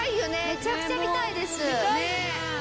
めちゃくちゃ見たいです。